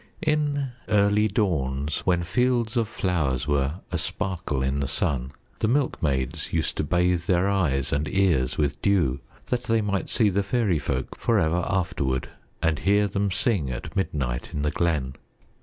In early dawns, when fields of flowers were asparkle in the sun, the milkmaids used to bathe their eyes and ears with dew that they might see the fairyfolk forever afterward and hear them sing at midnight in the glen.